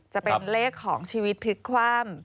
จะเป็นเลขของชีวิตพลิกคว่ำ